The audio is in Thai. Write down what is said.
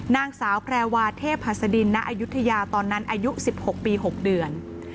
นางสาวแพรวาเทพหัสดินณอายุทยาตอนนั้นอายุ๑๖ปี๖เดือน